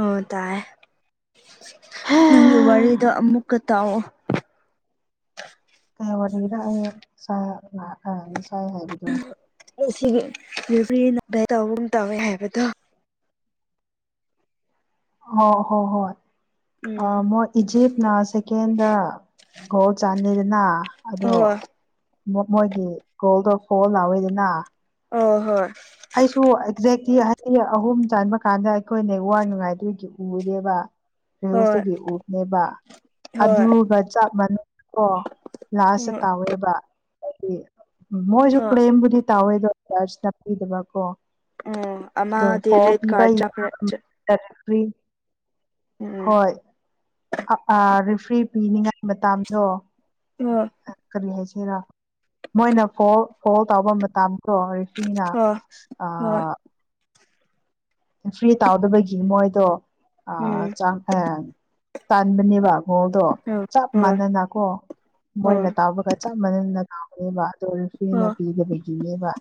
ꯑꯣ ꯇꯥꯏ ꯍꯥ ꯅꯪꯒꯤ ꯋꯥꯔꯤꯗꯣ ꯑꯃꯨꯛꯀ ꯇꯥꯛꯑꯣ ꯀ ꯋꯥꯔꯤꯔꯥꯛ ꯉꯁꯥꯏ ꯍꯥꯏꯕꯗꯣ ꯁꯤ ꯚꯔꯤ ꯇꯧꯒꯨꯝ ꯇꯧꯋꯦ ꯍꯥꯏꯕꯗꯣ ꯍ ꯍꯣ ꯍꯣꯏ ꯑ ꯎꯝ ꯃꯣꯏ ꯏꯖꯤꯞꯅ ꯁꯦꯀꯦꯟꯗ ꯒꯣꯜ ꯆꯥꯟꯅꯩꯗꯅ ꯑꯗꯣ ꯍꯣꯏ ꯃꯣꯏꯒꯤ ꯒꯣꯜꯗꯣ ꯐꯣꯜ ꯂꯥꯎꯋꯏꯗꯅ ꯑꯣ ꯍꯣꯏ ꯑꯩꯁꯨ ꯑꯦꯛꯖꯦꯂꯤ ꯍ ꯑꯍꯨꯝ ꯆꯟꯕ ꯀꯥꯟꯗ ꯑꯩꯈꯣꯏꯅꯦ ꯋꯥꯔ ꯉꯥꯏꯗꯨꯣꯏꯒꯤ ꯎꯔꯦꯕ ꯍꯣꯏ ꯔꯦꯌꯨꯇꯒꯤ ꯎꯞꯅꯦꯕ ꯍꯣꯏ ꯑꯗꯨꯒ ꯆꯞ ꯃꯥꯟꯅꯩ ꯀꯣ ꯂꯥꯁꯇ ꯎꯝ ꯇꯥꯎꯋꯦꯕ ꯍꯥꯏꯗꯤ ꯃꯣꯏꯁꯨ ꯍꯣꯏ ꯀ꯭ꯂꯦꯝꯕꯨꯗꯤ ꯇꯥꯎꯋꯦꯗ ꯄꯗꯕ ꯀꯣ ꯎꯝ ꯑꯗꯣ ꯑꯃꯗꯤ ꯐꯣꯔ ꯔꯦꯠ ꯄꯤꯕ ꯀꯥꯔꯠ ꯆꯠꯈ꯭ꯔꯦ ꯆꯔꯤ ꯎꯝ ꯍꯣꯏ ꯔꯤꯐ꯭ꯔꯤ ꯄꯤꯅꯤꯡꯉꯥꯏ ꯃꯇꯥꯗꯣ ꯎꯝ ꯀꯔꯤ ꯍꯥꯏꯁꯤꯔ ꯃꯣꯏꯅ ꯐꯣ ꯐꯣꯜ ꯇꯥꯎꯕ ꯃꯇꯝꯗꯣ ꯔꯤꯐ꯭ꯔꯤꯅ ꯑ ꯍꯣꯏ ꯐ꯭ꯔꯤ ꯇꯥꯎꯗꯕꯒꯤ ꯃꯣꯏꯗꯣ ꯎꯝ ꯆꯥꯡ ꯇꯥꯟꯕꯅꯦꯕ ꯍꯜꯗꯣ ꯍꯣꯏ ꯍꯣꯏ ꯆꯞ ꯍꯣꯏ ꯃꯥꯟꯅꯅꯀꯣ ꯃꯣꯏꯅ ꯇꯥꯎꯕꯒ ꯆꯞ ꯃꯥꯟꯅꯅ ꯍꯥꯎꯅꯦꯕ ꯑꯗꯨ ꯑꯣꯏꯁꯨꯅ ꯍꯣꯏ ꯄꯤꯗꯕꯒꯤꯅꯦꯕ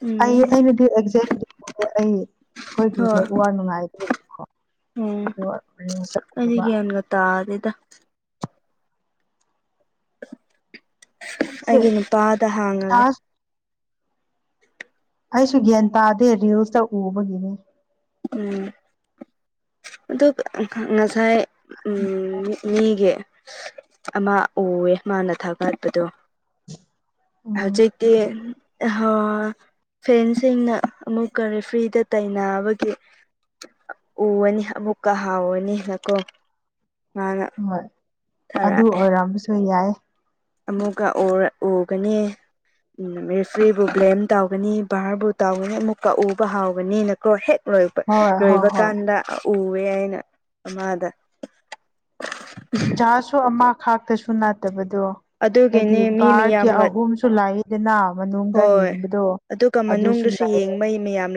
ꯎꯝ ꯑꯩ ꯑꯩꯅꯗꯤ ꯑꯦꯛꯖꯦꯛꯂꯤ ꯑꯩ ꯑꯩꯈꯣꯏꯒꯤ ꯍꯣꯏ ꯂꯦꯛ ꯋꯥꯔ ꯅꯨꯡꯉꯥꯏꯕ ꯂꯩꯀꯣ ꯑꯗꯨꯒ ꯃꯔꯤꯡ ꯆꯥꯛꯀꯕ ꯇꯥ ꯑꯗꯨꯗ ꯍꯥꯏꯗꯤ ꯑꯩꯒꯤ ꯅꯨꯄꯥꯗ ꯍꯥꯡꯉꯒꯦ ꯗꯥꯁ ꯑꯩꯁꯨ ꯒ꯭ꯌꯥꯟ ꯇꯥꯗꯦ ꯔꯤꯜꯁꯇ ꯎꯕꯒꯤꯅꯤ ꯎꯝ ꯑꯗꯨ ꯉꯁꯥꯏ ꯎ ꯃꯤꯒꯤ ꯑꯃ ꯎꯑꯦ ꯃꯥꯅ ꯊꯥꯒꯠꯄꯗꯣ ꯎ ꯍꯧꯖꯤꯩꯗꯤ ꯐꯦꯟꯁꯤꯡꯅ ꯑꯃꯨꯛꯀꯔꯤ ꯐ꯭ꯔꯤꯗ ꯇꯩꯅꯅꯕꯒꯤ ꯎꯅꯤ ꯕꯨꯀꯥ ꯍꯥꯥꯎꯋꯅꯤ ꯅꯀꯣ ꯍꯣꯏ ꯑꯗꯨ ꯑꯣꯏꯔꯝꯕꯁꯨ ꯌꯥꯏ ꯑꯃꯨꯛꯀꯔ ꯑꯣꯒꯅꯤ ꯔꯔꯤꯐ꯭ꯔꯤꯕꯨ ꯕ꯭ꯂꯦꯝ ꯇꯧꯒꯅꯤ ꯚꯔꯕꯨ ꯇꯧꯒꯅꯤ ꯑꯃꯨꯛꯀꯛꯎꯕ ꯍꯥꯎꯒꯅꯤ ꯀꯣ ꯍꯦꯛ ꯂꯣꯏ ꯍꯣꯏ ꯍꯣꯏ ꯂꯣꯏꯕ ꯍꯣꯏ ꯀꯥꯟꯗ ꯎꯑꯦ ꯑꯅ ꯑꯃꯥꯗ ꯖꯥꯁꯨ ꯑꯃ ꯈꯥꯛꯇꯁꯨ ꯅꯥꯠꯇꯕꯗꯣ ꯍꯥꯏꯗꯤ ꯑꯗꯨꯒꯤꯅꯦ ꯃꯤ ꯕꯥꯔꯒꯤ ꯃꯌꯥꯝꯒ ꯑꯍꯨꯝꯁꯨ ꯂꯥꯛꯏ ꯑꯗꯨꯗꯅ ꯃꯅꯨꯡꯗ ꯍꯣꯏ ꯌꯦꯡꯕꯗꯣ ꯑꯗꯨꯒ ꯑꯗꯨꯁꯨ ꯃꯅꯨꯡꯗꯁꯨ ꯂꯥꯛ ꯌꯦꯡꯕ ꯃꯌꯥꯝ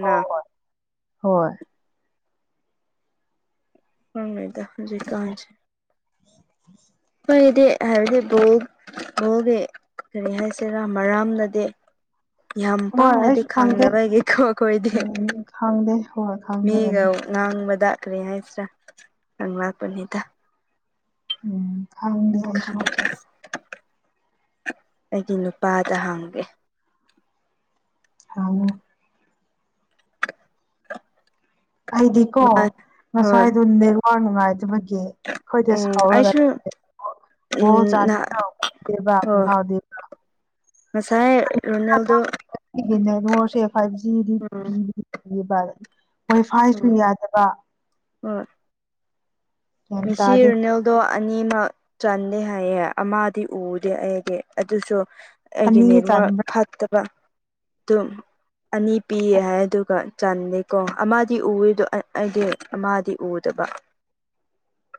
ꯍ ꯍꯣꯏ ꯍꯣꯏ ꯍꯉꯣꯏꯗ ꯍꯧꯖꯤ ꯀꯥꯟꯁꯤꯦ ꯀꯗꯤ ꯍꯥꯏꯕꯗꯤ ꯕꯣ ꯕꯣꯒꯤ ꯀꯔꯤ ꯍꯥꯏꯁꯤꯔꯥ ꯃꯔꯝꯅꯗꯤ ꯌꯥꯝ ꯍꯣꯏ ꯄꯥꯡꯅꯗꯤ ꯑꯩꯁꯨ ꯈꯪꯗꯦ ꯈꯪꯗꯕꯒꯤꯀꯣ ꯑꯩꯈꯣꯏꯗꯤ ꯎꯝ ꯈꯪꯗꯦ ꯍꯣꯏ ꯃꯤꯒ ꯈꯪꯗꯕꯅꯤ ꯅꯪꯪꯕꯗꯈꯔꯤ ꯍꯥꯏꯁ꯭ꯔꯥ ꯅꯪ ꯃꯥꯄꯅꯤꯗ ꯎꯝ ꯈꯪꯅ ꯈꯦ ꯑꯩꯒꯤ ꯅꯨꯄꯥꯗ ꯍꯥꯡꯒꯦ ꯊꯉ ꯑꯩꯗꯤꯀꯣ ꯍꯣꯏ ꯍꯣꯏ ꯉꯁꯥꯏꯗꯨ ꯅꯦꯛꯋꯥ ꯅꯨꯡꯉꯥꯏꯇꯕꯒꯤ ꯑꯩꯈꯣꯏꯗꯤ ꯎꯝ ꯁꯥꯎꯔꯒ ꯑꯩꯁꯨ ꯂꯩꯦ ꯍꯣ ꯎꯝ ꯆꯥꯅꯤꯡꯗꯦꯕ ꯎ ꯍꯣꯏ ꯍꯥꯎꯗꯦꯕ ꯉꯁꯥꯏ ꯔꯣꯅꯦꯜꯗꯣ ꯅꯦ ꯉꯔꯁꯦ ꯐꯥꯏꯚ ꯖꯤꯗꯤ ꯎꯝ ꯄꯤꯕ ꯍꯣꯏ ꯐꯥꯏꯁꯨ ꯎꯝ ꯌꯥꯗꯕ ꯒ꯭ꯌꯥꯟ ꯉꯁꯤ ꯇꯥꯗꯦ ꯏꯔꯅꯦꯜ ꯑꯗꯣ ꯑꯅꯤꯃꯛ ꯆꯟꯗꯦ ꯍꯥꯏꯌꯦꯦ ꯑꯃꯗꯤ ꯎꯗꯦ ꯑꯩꯗꯤ ꯑꯗꯨꯁꯨ ꯑꯩꯒꯤ ꯑꯅꯤ ꯅꯦꯠꯋꯛ ꯆꯟꯕ꯭ꯔꯥ ꯐꯠꯇꯕ ꯑꯗꯨꯝ ꯑꯅꯤ ꯄꯤꯌꯦ ꯍꯥꯏ ꯑꯗꯨꯒ ꯆꯦꯀꯣ ꯑꯃꯗꯤ ꯎꯗꯣ ꯑꯩꯗꯤ ꯑꯃꯗꯤ ꯎꯗꯕ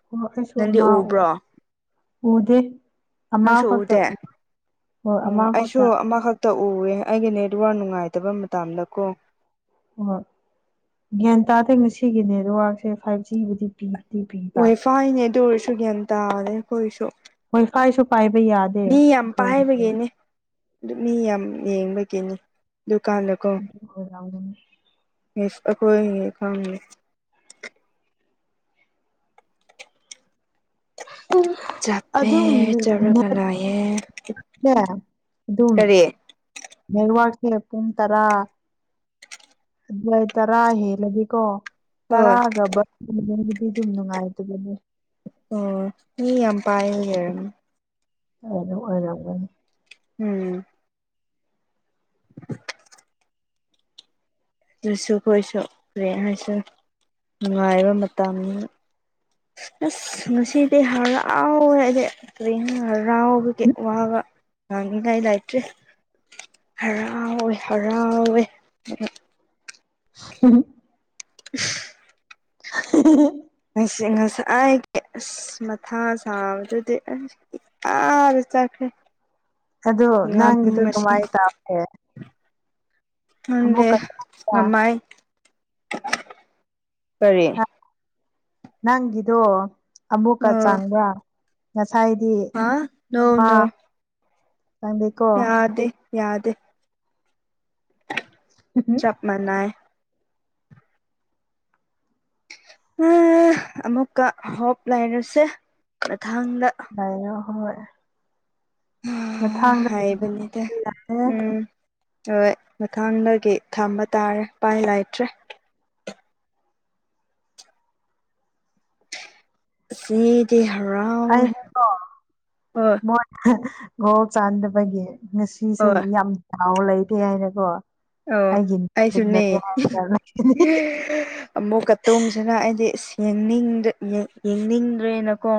ꯑꯣ ꯑꯩꯁꯨ ꯅꯪꯗꯤ ꯑꯃ ꯎꯕ꯭ꯔꯣ ꯎꯗꯦ ꯑꯃ ꯅꯪꯁꯨ ꯈꯛꯇ ꯎꯗꯦ ꯎ ꯍꯣꯏ ꯑꯣ ꯑꯃ ꯑꯩꯁꯨ ꯈꯛꯇ ꯑꯃꯈꯛ ꯇꯛꯎꯋꯦ ꯑꯩꯒꯤ ꯅꯦꯠꯋꯥꯔ ꯅꯨꯡꯉꯥꯏꯇꯕ ꯃꯇꯝꯗ ꯀꯣ ꯑꯣꯣꯏ ꯒ꯭ꯌꯥꯟ ꯇꯥꯗꯩ ꯉꯁꯤꯒꯤ ꯅꯦꯠꯋꯔꯥꯛꯁꯦ ꯐꯥꯏꯚ ꯖꯤꯕꯨꯗꯤ ꯄꯤꯕꯗꯤ ꯄꯤꯕ ꯐꯥꯏꯅꯦ ꯇꯔꯁꯨ ꯒ꯭ꯌꯥꯟ ꯇꯥꯔꯦ ꯑꯩꯣꯏꯁꯨ ꯍꯣꯏ ꯀꯥꯏꯁꯨ ꯄꯥꯏꯕ ꯌꯥꯗꯦ ꯑꯩꯈꯣꯏꯁꯦ ꯄꯥꯏꯕꯒꯤꯅꯦ ꯃꯤ ꯌꯥꯝ ꯌꯦꯡꯕꯒꯤꯅꯤ ꯗꯨꯀꯥꯟꯗ ꯍ ꯌꯥꯎꯗꯅ ꯌꯦ ꯑꯩꯈꯣꯏ ꯀꯝ ꯑꯣ ꯆꯞꯄꯦ ꯆꯕꯔ ꯅꯥꯌꯦ ꯑꯗꯨꯝ ꯅꯦꯔꯋꯥꯔꯁꯦ ꯄꯨꯡ ꯇꯔꯥ ꯑꯗꯨꯏ ꯇꯔꯥ ꯍ ꯂꯝꯗꯤꯀꯣ ꯍꯣꯏ ꯇꯔꯥꯒ ꯕꯒꯤꯗꯤ ꯑꯗꯨꯝ ꯅꯨꯡꯉꯥꯏꯇꯕꯅꯦ ꯑꯣ ꯃꯤ ꯌꯥꯝ ꯄꯥꯏ ꯑꯗꯨ ꯑꯣꯏꯔꯝ ꯎꯝ ꯑꯗꯨꯁꯨ ꯀꯣꯏꯁꯨ ꯔꯦꯡ ꯍꯥꯏꯁꯨ ꯅꯨꯡꯉꯥꯏꯕ ꯃꯇꯝꯅꯤꯅꯥ ꯑꯁ ꯉꯁꯤꯗꯤ ꯍꯔꯥꯎꯋꯦ ꯍꯥꯏꯗꯤ ꯇꯅꯔ ꯔꯥꯎꯕꯒ ꯋꯥ ꯅꯅꯤ ꯂ ꯏ ꯂꯥꯏꯇ꯭ꯔꯤ ꯍꯔꯥꯎꯋꯦ ꯍꯔꯥꯎꯋꯦ ꯎ [inaudible] [inaudible] [inaudible] ꯁꯤ ꯉꯁ ꯍꯥꯏꯦ ꯃꯊꯥ ꯁꯥꯕꯖꯗ ꯌꯥ ꯆꯈꯦ ꯑꯗꯣ ꯅꯪ ꯑꯗꯨ ꯀꯃꯥꯏ ꯇꯦ ꯦ ꯆꯪꯕ꯭ꯔꯥ ꯉꯃꯥꯏ ꯀꯔꯤ ꯍꯥ ꯅꯪꯒꯤꯗꯣ ꯑꯃꯨꯛꯀ ꯑꯣ ꯆꯥꯡꯕ꯭ꯔꯥ ꯉꯁꯥꯏꯗꯤ ꯍꯥ ꯅꯣ ꯅꯣ ꯆꯥꯡ ꯌꯥꯗꯦ ꯌꯥꯗꯦ ꯃꯅꯏ ꯎ ꯑꯃꯨꯛꯀ ꯍꯣꯞ ꯂꯩꯥꯏꯔꯁꯦ ꯃꯊꯥꯡꯗ ꯥꯏꯅꯣ ꯍꯣꯏ ꯃꯊꯥꯡꯗ ꯍꯥꯏꯕꯟꯗꯦ ꯌꯥꯔꯦ ꯎꯝ ꯍꯣꯏ ꯃꯊꯥꯡꯗꯒꯤ ꯊꯝꯕ ꯇꯥꯔꯦ ꯄꯥꯏ ꯂꯩꯇ꯭ꯔꯦ ꯑꯁꯤꯗꯤ ꯍꯔꯥꯎꯋꯦ ꯍꯣꯏ ꯒꯣ ꯆꯥꯟꯗꯕꯒꯤ ꯉꯁꯤꯁꯦ ꯍꯣꯏ ꯌꯥꯝ ꯍꯥꯎ ꯂꯩꯇꯦ ꯍꯥꯏꯅꯀꯣ ꯑꯣ ꯑꯩꯒꯤ ꯑꯩꯁꯨ ꯅ ꯅꯠꯇꯦ ꯍꯥꯏꯔꯒ ꯂꯩꯒꯅꯤ ꯑꯃꯨꯛꯀꯇꯣꯝꯁꯤꯅ ꯑꯩꯗꯤ ꯌꯦꯡꯅꯤꯡꯗ꯭ꯔꯦꯅꯀꯣ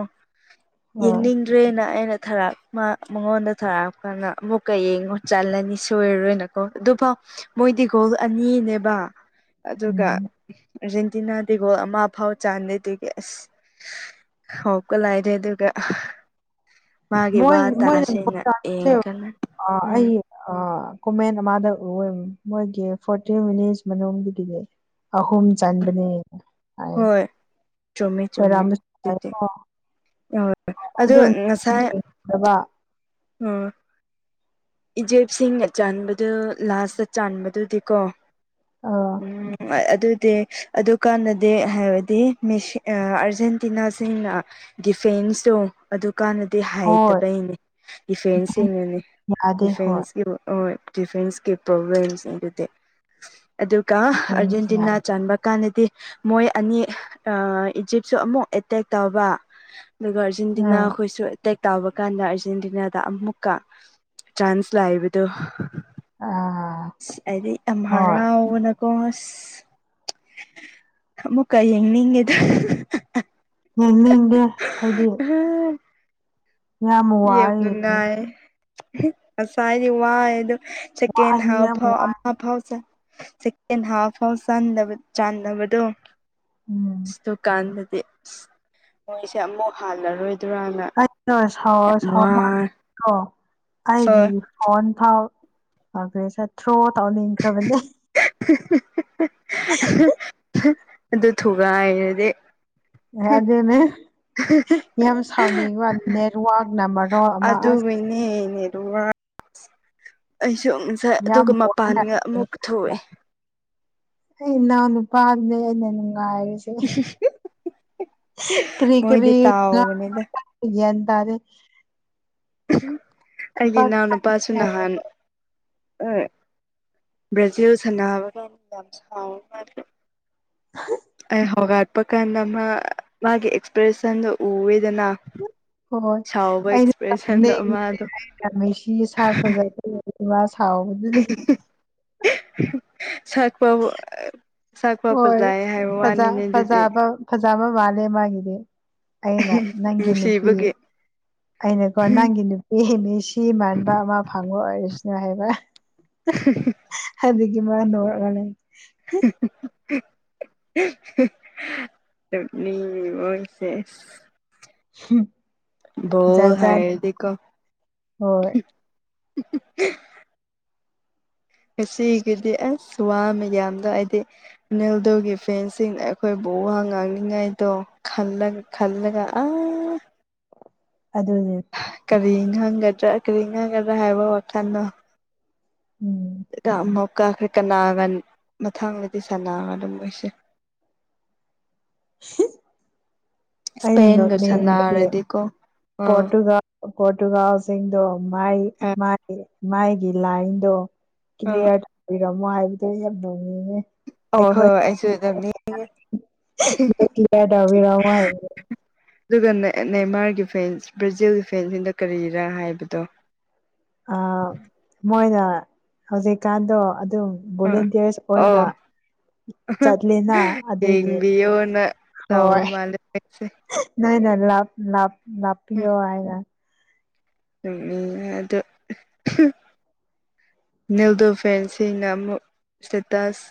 ꯍꯣꯏ ꯏꯅꯤ ꯇ꯭ꯔꯦꯅ ꯑꯩꯅ ꯊꯥꯔꯛꯄ ꯃꯉꯣꯟꯗ ꯊꯥꯔꯛꯑꯀꯥꯟꯗ ꯑꯃꯨꯛꯀ ꯌꯦꯡꯉꯣ ꯆꯜꯂꯅꯤ ꯁꯣꯏꯔꯔꯣꯏꯅ ꯑꯗꯨꯐꯥꯎ ꯃꯣꯏ ꯗꯤꯒꯣꯜ ꯑꯅꯤꯅꯦꯕ ꯑꯗꯨꯒ ꯎꯝ ꯑꯥꯔꯖꯦꯟꯇꯤꯅꯥꯗꯒꯣ ꯑꯃ ꯐꯥꯎ ꯆꯥꯟꯗꯦꯗꯒꯤ ꯑꯁ ꯍꯒꯂ ꯍꯥꯏꯥꯏꯗꯦ ꯑꯗꯨꯔꯒ ꯃꯥꯒꯤ ꯃꯣꯏ ꯋꯥ ꯇꯁꯤꯅ ꯃꯣꯏꯅ ꯌꯦꯡ ꯀꯟꯅ ꯎꯝ ꯑ ꯀꯣꯃꯦꯟ ꯑꯃꯗ ꯎ ꯃꯣꯏꯒꯤ ꯐꯣꯔꯇꯤ ꯃꯤꯅꯤꯠꯁ ꯃꯅꯨꯡꯗꯨꯒꯤꯅꯤ ꯑꯍꯨꯝ ꯆꯟꯕꯅꯦ ꯍꯣꯏ ꯆꯨꯝꯃꯤ ꯆꯨꯝꯃꯤ ꯑꯣꯏꯔꯝꯕꯁꯨ ꯇꯤꯇꯦ ꯌꯥꯏꯀꯣ ꯑꯣ ꯑꯗꯨ ꯉꯁꯥꯏ ꯕꯩꯕꯥ ꯎꯝ ꯏꯖꯦꯞꯁꯤꯡꯅ ꯆꯟꯕꯗꯨ ꯂꯥꯁꯇ ꯆꯥꯟꯕꯗꯨꯗꯤꯀꯣ ꯑꯥ ꯎꯝ ꯑꯗꯨꯗꯤ ꯑꯗꯨꯀꯥꯟꯅꯗꯦ ꯍꯥꯏꯔꯗꯤ ꯃꯤꯁ ꯑꯥꯔꯖꯦꯟꯇꯤꯅꯥꯁꯤꯡꯅ ꯗꯤꯐꯦꯟꯁꯇꯣ ꯑꯗꯨꯀꯥꯟꯅꯗꯦ ꯍꯣꯏ ꯍꯩꯇꯕꯩꯅꯦ ꯗꯤꯐꯦꯟꯁꯁꯤꯡꯅꯅꯤ ꯌꯥꯗꯦ ꯍꯣꯏ ꯗꯤꯐꯦꯟꯁꯀꯤ ꯑꯥ ꯗꯤꯐꯦꯟꯁꯀꯤ ꯄ꯭ꯔꯣꯕ꯭ꯂꯦꯝꯁꯤꯡ ꯑꯗꯨꯗꯤ ꯑꯗꯨꯒ ꯗꯤꯐꯦꯟꯁ ꯌꯥꯗꯦ ꯑꯔꯖꯦꯟꯇꯤꯅꯥ ꯆꯟꯕ ꯀꯥꯟꯗꯗꯤ ꯃꯣꯏ ꯑꯅꯤ ꯑꯥ ꯏꯖꯤꯞꯁꯨ ꯑꯃꯨꯛ ꯑꯦꯇꯦꯛ ꯇꯧꯕ ꯑꯗꯨꯒ ꯑꯥꯔꯖꯦꯟꯇꯤꯅꯥ ꯎꯝ ꯑꯩꯈꯣꯏꯁꯨ ꯑꯦꯇꯦꯛ ꯇꯧꯕ ꯀꯥꯟꯗ ꯑꯥꯔꯖꯦꯟꯇꯤꯅꯥꯗ ꯑꯃꯨꯛꯀ ꯆꯥꯟꯁ ꯂꯥꯛꯕꯗꯨ ꯑꯥ ꯑꯁ ꯑꯩꯗꯤ ꯑꯝ ꯍꯣꯏ ꯍꯔꯥꯎꯕꯅ ꯀꯣ ꯑꯁ ꯑꯃꯨꯛꯀ ꯌꯦꯡꯅꯤꯡꯉꯦꯗ ꯌꯦꯅꯤꯡꯕꯣ ꯍꯥꯏꯗꯤ ꯎꯝ ꯌꯥꯝ ꯋꯥꯏ ꯌꯦꯃꯤꯟꯅꯥꯏ ꯉꯁꯥꯏꯗꯤ ꯋꯥꯏ ꯑꯗꯨ ꯁꯦꯀꯦꯟ ꯑꯩ ꯌꯥꯝ ꯍꯥꯞꯐꯥꯎ ꯋꯥ ꯑꯝ ꯍꯥꯐꯐꯥꯎ ꯆꯟ ꯁꯦꯀꯦꯟ ꯍꯥꯐ ꯐꯧ ꯆꯟꯗꯕ ꯆꯥꯟꯗꯕꯗꯣ ꯎꯝ ꯑꯁ ꯗꯨꯀꯥꯟꯗꯗꯤ ꯑꯁ ꯃꯣꯏꯁꯦ ꯑꯃꯨꯛ ꯍꯜꯂꯔꯣꯏꯗꯔꯥꯅ ꯑꯩꯗꯣ ꯁꯥꯎꯔ ꯁꯥꯎ [unintelligible] ꯀꯣ ꯑꯩꯒꯤ ꯍꯣꯏ ꯐꯣꯟ ꯐꯥꯎ ꯑꯥ ꯄꯔꯦꯁꯠ ꯊ꯭ꯔꯣ ꯇꯧꯅꯤꯡꯈꯔꯥꯕꯅꯦ ꯑꯗꯨ ꯊꯨꯒꯥꯏꯔꯗꯤ ꯉꯥꯗꯨꯅꯦ ꯌꯥꯝ ꯁꯥꯎꯅꯤꯡ ꯋꯥꯟ ꯅꯦꯠꯋꯥꯛꯅ ꯃꯔꯣꯟ ꯑꯃ ꯑꯁ ꯅꯦ ꯅꯦꯠꯋꯥꯛ ꯑꯩꯁꯨ ꯁꯦ ꯌꯥꯝ ꯑꯗꯨꯒ ꯋꯥꯅ ꯃꯄꯥꯟꯒ ꯑꯩ ꯑꯃꯨꯛ ꯊꯣꯔꯛꯑꯦ ꯑꯩ ꯏꯅꯥꯎ ꯅꯨꯄꯥ ꯑꯗꯨꯅꯦ ꯅꯨꯉꯥꯏꯔꯤꯁ ꯀꯔꯤ ꯀꯔꯤ ꯃꯣꯏꯗꯤ [unintelligible] ꯇꯥꯎꯕꯅꯤꯗ ꯑꯩ ꯒꯌ꯭ꯥꯟ ꯇꯥꯗꯦ ꯑꯩꯒꯤ ꯈꯨꯄꯥꯛ ꯏꯅꯥꯎꯅꯨꯄꯥꯁꯨ ꯅꯍꯥꯟ ꯑꯥ ꯕ꯭ꯔꯖꯤꯜ ꯁꯥꯟꯅꯕ ꯀꯥꯟ ꯍꯥꯏꯕꯒ ꯁ ꯍꯥ ꯑꯩ ꯍꯧꯒꯠꯄ ꯀꯥꯟꯗ ꯃꯥ ꯃꯥꯒꯤ ꯑꯦꯛꯁꯄ꯭ꯔꯦꯁꯟꯗꯨ ꯎꯔꯦꯗꯅ ꯍꯣꯏ ꯍꯣꯏ ꯑꯩꯅꯅꯦ ꯃꯥꯗꯣ ꯅꯨꯡꯁꯤꯕꯥ ꯁꯔꯥ ꯐꯖꯔꯛꯄ ꯃꯥ ꯁꯥꯎꯕꯗꯥꯒꯤ ꯁꯛꯇꯨꯕꯨ ꯍꯣꯏ ꯐꯖ ꯐꯖꯕ ꯐꯖꯕ ꯃꯥꯜꯂꯦ ꯃꯥꯒꯤꯗꯤ ꯑꯩꯅ ꯅꯪꯒꯤ ꯅꯨꯄꯤ ꯅꯨꯡꯁꯤꯕꯒꯤ ꯑꯩꯅꯀꯣ ꯅꯪꯒꯤ ꯅꯨ ꯏ ꯃꯤ ꯁꯤ ꯃꯥꯟꯕ ꯑꯃ ꯐꯪꯉꯣ ꯑꯣꯏꯔꯁꯅꯨ ꯍꯥꯏꯕ ꯍꯥꯏꯕꯗꯤ ꯃꯥꯅ [unintelligible] ꯎꯝ ꯃꯤ ꯑꯣꯏꯁꯦꯁ ꯍꯝ ꯗꯣ ꯍꯥꯏꯗꯤ ꯀꯣ ꯍꯣꯏ ꯉꯁꯤꯒꯤꯗꯤ ꯑꯁ ꯋꯥ ꯃꯌꯥꯝꯗꯣ ꯍꯥꯏꯗꯤ ꯅꯣꯏꯗꯒꯤ ꯐꯦꯟꯁꯤꯡ ꯑꯥ ꯄꯑꯩꯈꯣꯏꯕꯨ ꯋꯥ ꯉꯥꯡꯅꯤꯡꯉꯥꯏꯗꯣ ꯈꯜꯂꯝ ꯈꯜꯂꯒ ꯑ ꯑꯗꯨꯅꯤ ꯀꯔꯤ ꯈꯪꯒꯗ꯭ꯔꯥ ꯀꯔꯤ ꯈꯪꯒꯗ꯭ꯔꯥ ꯍꯥꯏꯕ ꯋꯥꯈꯜꯅꯣ ꯎꯝ ꯑꯃꯨꯛ ꯀꯛꯈ꯭ꯔꯦ ꯀꯅꯥꯒ ꯃꯊꯪꯗꯗꯤ ꯁꯅꯥꯒ ꯑꯗꯨꯝ ꯑꯣꯏꯁꯦ꯫ [inaudible] ꯑꯩꯅ ꯏꯁꯄꯦꯟꯒ ꯅꯣꯛꯅꯤꯡꯕꯗꯤ ꯁꯥꯟꯅꯔꯗꯤꯀꯣ ꯑꯥ ꯄꯣꯔꯇꯨꯒꯜ ꯄꯣꯔꯇꯨꯒꯥꯜꯁꯤꯡꯗꯣ ꯃꯥꯏ ꯃꯥꯏꯒꯤ ꯂꯥꯏꯟꯗꯣ ꯑꯥ ꯀꯂꯤꯌꯥꯔꯔꯃꯣꯕ ꯑꯣ ꯍꯣꯏ ꯑꯩꯁꯨꯗꯝꯃꯤ꯫ ꯂꯗꯥꯕꯤ ꯔꯃ ꯍꯥꯏ ꯑꯗꯨꯒ ꯅꯦꯟꯃꯥꯔꯒꯤ ꯐꯦꯟꯁ ꯕ꯭ꯔꯥꯖꯤꯜꯒꯤ ꯐꯦꯟꯁꯤꯡꯗ ꯀꯔꯤꯔꯥ ꯍꯥꯏꯕꯗꯣ ꯃꯣꯏꯅ ꯍꯧꯖꯤꯛꯀꯥꯟꯗꯣ ꯑꯗꯨꯝ ꯑꯥ ꯚꯣꯂꯦꯟꯇꯤꯌꯔꯁ ꯑꯣ ꯑꯣꯏꯅ ꯆꯠꯂꯦꯅ ꯑꯗꯨꯒꯤ ꯌꯦꯡꯕꯤꯌꯣꯅ ꯇꯑꯣ ꯍꯣꯏ ꯃꯥꯂꯁꯦ꯫ ꯅꯣꯏꯅ ꯂꯥ ꯂ ꯂꯥꯄꯤꯄꯤ ꯍꯥꯏꯒ꯫ ꯆꯨꯝꯃꯤ ꯑꯗ ꯅꯤꯜꯗꯣ ꯐꯦꯟꯁꯤꯡꯅ ꯑꯃꯨꯛ ꯏꯁꯇꯦꯇꯥꯁ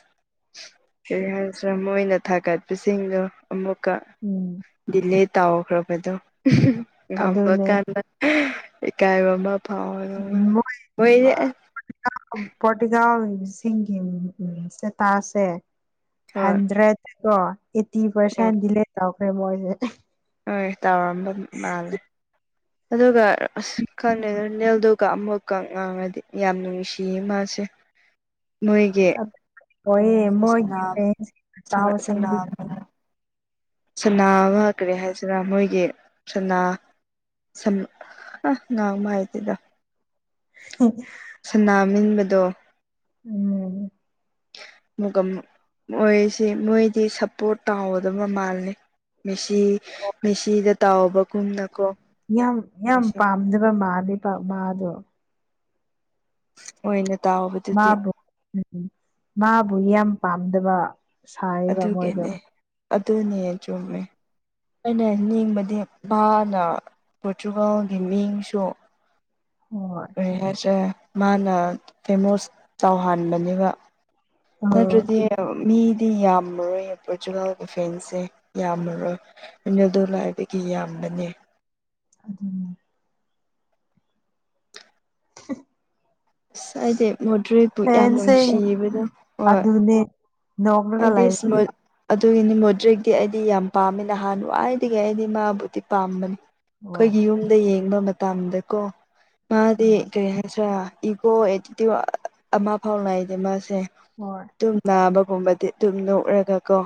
ꯀꯔꯤ ꯍꯥꯏꯁ ꯃꯣꯏꯅ ꯊꯥꯒꯠꯄꯁꯤꯡꯗꯣ ꯑꯃꯨꯛꯀ ꯎꯝ ꯗꯤꯂꯦ ꯇꯥꯎꯈ꯭ꯔꯕꯗꯣ ꯑꯗꯨꯅꯦ ꯉꯝꯂꯀꯥꯟꯗ ꯏꯀꯥꯏꯕ ꯑꯃ ꯐꯥꯎ ꯃꯣꯏꯗꯤ ꯃꯣꯏꯌꯦ ꯫ ꯄ ꯄꯣꯔꯇꯤꯒ ꯁꯤꯒꯤ ꯇꯥꯁꯦ꯫ ꯍꯣꯏ ꯍꯟꯗ꯭ꯔꯦꯗ ꯀꯣ ꯑꯩꯠꯇꯤ ꯄꯥꯔꯁꯦꯟ ꯍꯣꯏ ꯗꯤꯂꯦ ꯇꯧꯈ꯭ꯔꯦ ꯃꯣꯏꯁꯦ꯫ ꯍꯣꯏ ꯇꯧꯔꯝꯕ ꯃꯥꯜꯂꯦ ꯑꯗꯨꯒ ꯑꯁ ꯈꯪꯉꯦ ꯅꯅꯦꯜꯗꯨꯒ ꯑꯃꯨꯛꯀ ꯉꯥꯡꯉꯗꯤ ꯌꯥꯝ ꯅꯨꯡꯁꯤꯌꯦ ꯃꯥꯁꯦ꯫ ꯃꯣꯏꯒꯤ ꯍꯣꯏꯌꯦ ꯃꯣꯏꯒꯤ ꯁꯔ ꯐꯦꯟꯁ ꯇꯥꯎꯁꯤꯡꯗꯤ ꯁꯜꯝ ꯁꯅꯥ ꯑꯃ ꯀꯔꯤ ꯍꯥꯏꯁꯤꯔ ꯃꯣꯏꯒꯤ ꯁꯅꯥ ꯁ ꯑ ꯉꯥꯡꯕ ꯍꯥꯏꯇꯦꯗꯥ ꯍ ꯁꯅꯥ ꯅꯤꯡꯕꯗꯣ ꯎꯝ ꯃꯨꯒꯝ ꯃꯣꯏꯁꯦ ꯃꯣꯏꯗꯤ ꯁꯞꯄꯣꯔꯠ ꯇꯥꯎꯒꯗꯕ ꯃꯥꯜꯜꯂꯤ꯫ ꯃꯦꯁꯤ ꯃꯦꯁꯤꯗ ꯇꯥꯎꯕꯒꯨꯝꯅꯀꯣ ꯌꯥꯝ ꯌꯥꯝ ꯃꯣꯏꯁꯦ ꯄꯥꯝꯗꯕ ꯃꯥꯗꯤ ꯃꯥꯗꯣ ꯑꯣꯏꯅ ꯇꯥꯎꯕꯗꯨꯗꯤ ꯃꯥꯕꯨ ꯎꯝ ꯃꯥꯕꯨ ꯌꯥꯝ ꯄꯥꯝꯗꯕ ꯁꯥꯏꯌꯦꯕ ꯃꯣꯏꯗꯣ ꯑꯗꯨꯒꯤꯅꯦ ꯑꯗꯨꯅꯦ ꯆꯨꯝꯃꯦ꯫ ꯑꯩꯅ ꯅꯤꯡꯕꯗꯤ ꯅ ꯄꯣꯔꯇꯨꯒꯥꯜꯒꯤ ꯃꯤꯡꯁꯨ ꯎꯝ ꯍꯥꯏꯁꯦ ꯃꯥꯅ ꯐꯦꯃꯣꯁ ꯇꯧꯍꯥꯟꯕꯅꯦꯕ ꯑꯣ ꯅꯠꯇ꯭ꯔꯗꯤ꯫ ꯃꯤꯗꯤ ꯌꯥꯝꯃꯔꯣꯏꯌꯦ ꯄꯣꯔꯆꯨꯒꯦꯜꯒꯤ ꯐꯦꯟꯁꯦ ꯌꯥꯝꯃꯔꯣꯏ꯫ ꯑꯩꯅ ꯑꯗꯨ ꯂꯥꯏꯕꯒꯤ ꯌꯥꯝꯕꯅꯦ꯫ ꯑꯗꯨꯅꯤ꯫ [inaudible] ꯑꯁ ꯍꯥꯏꯗꯤ ꯃꯣꯗ꯭ꯔꯦꯕꯨ ꯌꯥꯝ ꯐꯦꯟꯁꯤꯡ ꯅꯨꯡꯁꯤꯕꯅꯣ ꯍꯣꯏ ꯑꯗꯨꯅꯦ ꯅꯣꯛꯂꯒ ꯑꯗꯤ ꯂꯩꯕ ꯏꯁꯃꯜ ꯑꯗꯨꯒꯤꯅꯤ ꯃꯣꯗ꯭ꯔꯤꯛꯇꯤ ꯑꯩꯗꯤ ꯌꯥꯝ ꯄꯥꯝꯃꯦ ꯅꯍꯥꯟꯋꯥꯏꯗꯒꯤ ꯑꯩꯗꯤ ꯃꯥꯕꯨꯗꯤ ꯄꯥꯝꯕꯅꯤ꯫ ꯍꯣꯏ ꯑꯩꯈꯣꯏꯒꯤ ꯌꯨꯝꯗ ꯌꯦꯡꯕ ꯃꯇꯝꯗꯀꯣ ꯃꯥꯗꯤ ꯍꯣꯏ ꯀꯔꯤ ꯍꯥꯏ ꯑ ꯏꯒꯣ ꯑꯦꯇꯤꯇ꯭ꯨꯠ ꯑꯃ ꯐꯥꯎꯅꯗꯤꯦ ꯃꯥꯁꯦ꯫ ꯍꯣꯏ ꯑꯗꯨꯨꯝ ꯅꯥꯕꯒꯨꯝꯕꯗꯤ ꯑꯗꯨꯨꯝ ꯅꯣꯛꯔꯒꯀꯣ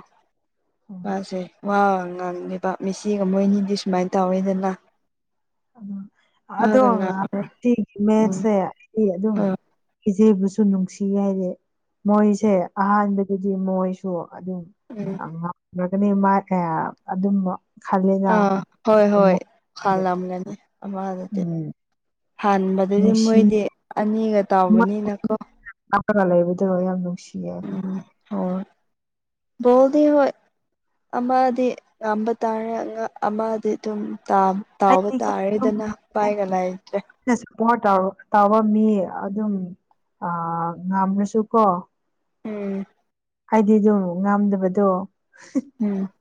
ꯃꯥꯁꯦ꯫ ꯋꯥ ꯉꯥꯡꯂꯤꯕ ꯃꯤꯆꯤꯒ ꯃꯣꯏꯅꯤꯗꯤ ꯁꯨꯃꯥꯏꯅ ꯇꯧꯋꯤꯗꯅ ꯑ ꯑꯗꯣ ꯃꯥꯒ ꯉꯥꯡ ꯔꯇꯤꯒꯤ ꯎꯝ ꯃꯦꯠꯁꯦ ꯑꯩ ꯑꯗꯨꯝ ꯍꯣꯏ ꯏꯆꯦꯕꯨꯁꯨ ꯅꯨꯡꯁꯤ ꯍꯥꯏꯗꯤ ꯃꯣꯏꯁꯦ ꯑꯍꯥꯟꯕꯗꯗꯤ ꯃꯣꯏꯁꯨ ꯑꯗꯨꯝ ꯎꯝ ꯉꯥꯡꯔꯒꯅꯤ ꯃꯥꯒ ꯑꯗꯨꯝ ꯈꯜꯂꯦꯅ ꯑꯥ ꯍꯣꯏ ꯍꯣꯏ ꯑꯃꯨꯛꯇꯤ ꯍꯥꯥꯜꯂꯝꯂꯅꯤ ꯑꯃꯗꯨꯗꯤ ꯎꯝ ꯍꯥꯟꯕꯗꯨꯗꯤ ꯅꯨꯡꯁꯤ ꯃꯣꯏꯗꯤ ꯑꯅꯤꯒ ꯇꯧꯕꯅꯤꯅꯀꯣ ꯀꯒꯥ ꯂꯩꯕꯗꯣ ꯌꯥꯝ ꯅꯨꯡꯁꯤꯌꯦ [unintelligible] ꯣꯜꯗꯤ ꯍꯣꯏ ꯑꯃꯗꯤ ꯉꯥꯝꯕ ꯇꯥꯔꯦ ꯑꯃꯗꯤ ꯑꯗꯨꯝ ꯇꯥ ꯇꯥꯎꯕ ꯑꯩꯗꯤꯀꯣ ꯇꯥꯔ‌ꯦꯗꯅ ꯄꯥꯏꯒ ꯂꯩꯇ꯭ꯔ‌ꯦ ꯑꯩꯅꯁꯨ ꯇꯥꯎꯕ ꯃꯤ ꯑꯗꯨꯝ ꯑ ꯉꯝꯅꯁꯨ ꯀꯣ ꯎꯝ ꯍꯥꯏꯗꯤ ꯑꯗꯨ ꯉꯥꯝꯗꯕꯗꯣ ꯎꯝ